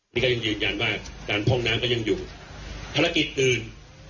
นี่ก็ยังยืนยันว่าการพร่องน้ำก็ยังอยู่ภารกิจอื่น